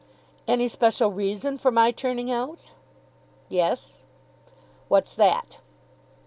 "Any special reason for my turning out?" "Yes." "What's that?"